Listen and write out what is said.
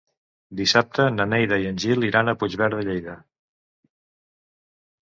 Dissabte na Neida i en Gil iran a Puigverd de Lleida.